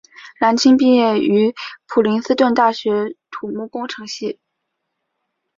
蓝钦毕业于普林斯顿大学土木工程系。